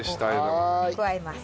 加えます。